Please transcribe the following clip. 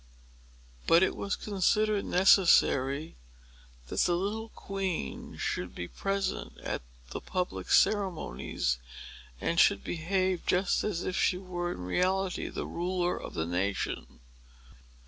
But it was considered necessary that the little queen should be present at the public ceremonies, and should behave just as if she were in reality the ruler of the nation.